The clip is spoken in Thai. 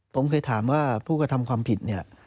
ผมเคยถามว่าผู้กระทำความผิดเนี่ย